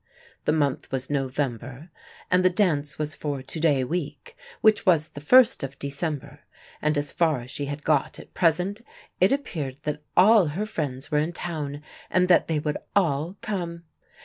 The month was November, and the dance was for to day week, which was the first of December, and as far as she had got at present, it appeared that all her friends were in town and that they would all come.